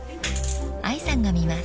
［愛さんが見ます］